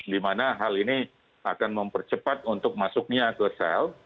dimana hal ini akan mempercepat untuk masuknya ke sel